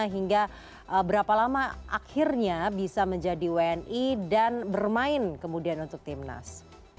hingga berapa lama akhirnya bisa menjadi wni dan bermain kemudian untuk timnas